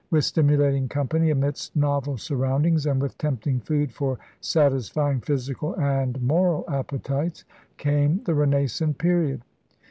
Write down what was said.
With stimulating company, amidst novel surroundings, and with tempting food for satisfying physical and moral appetites, came the renascent period.